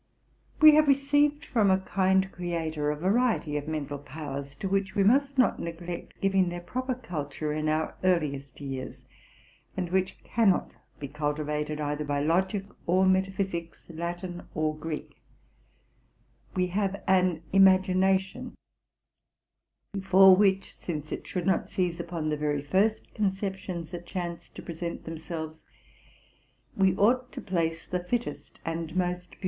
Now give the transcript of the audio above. We have received from a kind Creator a variety of mental powers, to which we must not neglect giving their proper culture in our earliest years, and which cannot be cultivated, either by logic or metaphysics, Latin or Greek. We have an imagination, before which, since it should not seize upon the very first conceptions that chance to present themselves, we ought to place the fittest and most beautiful 1 'Das Werden," the state of becoming, as distinguished from that of being.